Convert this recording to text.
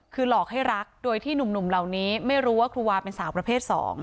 คือหลอกให้รักโดยที่หนุ่มเหล่านี้ไม่รู้ว่าครูวาเป็นสาวประเภท๒